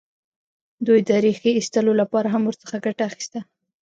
دوی د ریښې ایستلو لپاره هم ورڅخه ګټه اخیسته.